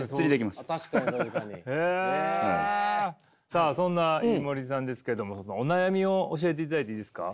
さあそんな飯森さんですけどもお悩みを教えていただいていいですか？